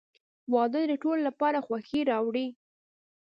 • واده د ټولو لپاره خوښي راوړي.